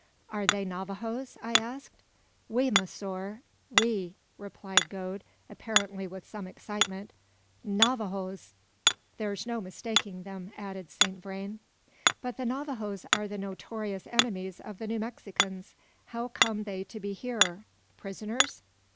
"Are they Navajoes?" I asked. "Oui, monsieur, oui!" replied Gode, apparently with some excitement. "Navajoes!" "There's no mistaking them," added Saint Vrain. "But the Navajoes are the notorious enemies of the New Mexicans! How come they to be here? Prisoners?"